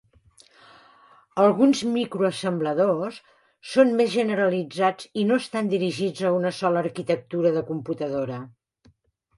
Alguns microassembladors són més generalitzats i no estan dirigits a una sola arquitectura de computadora.